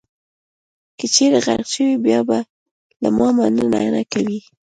که چېرې غرق شوئ، بیا به له ما مننه نه کوئ.